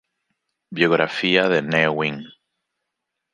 Biografía de Ne Win